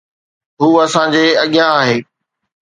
هو اسان جي اڳيان آهي.